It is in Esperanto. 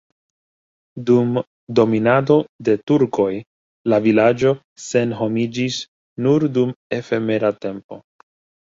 Dum dominado de turkoj la vilaĝo senhomiĝis nur dum efemera tempo.